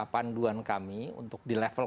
panduan kami untuk di level